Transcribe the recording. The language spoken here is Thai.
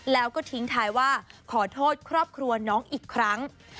แล้วก็ทิ้งท้ายว่าขอโทษครอบครัวน้องอีกครั้ง